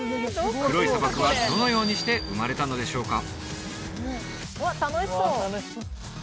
黒い砂漠はどのようにして生まれたのでしょうか？